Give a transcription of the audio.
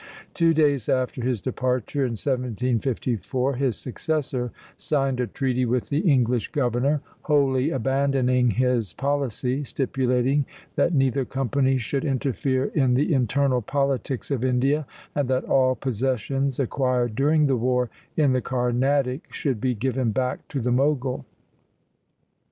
Two days after his departure, in 1754, his successor signed a treaty with the English governor, wholly abandoning his policy, stipulating that neither company should interfere in the internal politics of India, and that all possessions acquired during the war in the Carnatic should be given back to the Mogul.